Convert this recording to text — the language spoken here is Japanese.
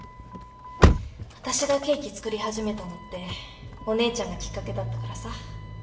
私がケーキ作り始めたのってお姉ちゃんがきっかけだったからさ。